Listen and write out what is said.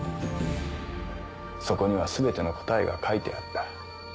そこには全ての答えが書いてあった。